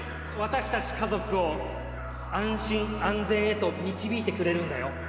私たち家族を安心安全へと導いてくれるんだよ。